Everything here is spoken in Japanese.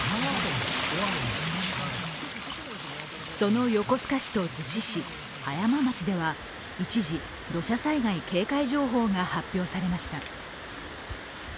その横須賀市と逗子市、葉山町では一時、土砂災害警戒情報が発表されました。